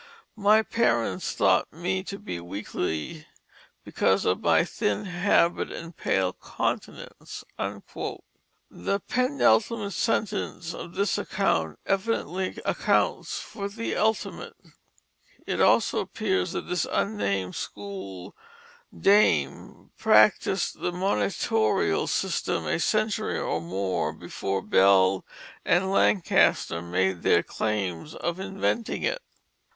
My parents thought me to be weakly because of my thin habit and pale countenance." The penultimate sentence of this account evidently accounts for the ultimate. It also appears that this unnamed school dame practised the monitorial system a century or more before Bell and Lancaster made their claims of inventing it.